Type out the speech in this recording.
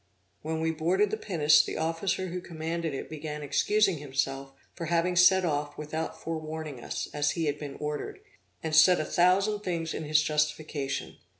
When we boarded the pinnace, the officer who commanded it began excusing himself for having set off without forewarning us, as he had been ordered, and said a thousand things in his justification.